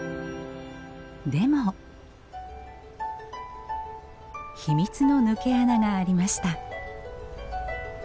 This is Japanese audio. でも秘密の抜け穴がありました。